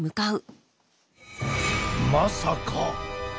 まさか。